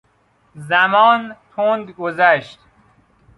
زمان تند گذشت.